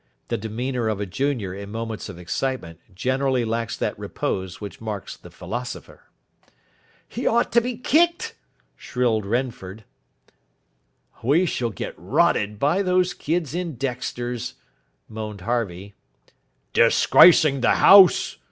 The demeanour of a junior in moments of excitement generally lacks that repose which marks the philosopher. "He ought to be kicked," shrilled Renford. "We shall get rotted by those kids in Dexter's," moaned Harvey. "Disgracing the house!"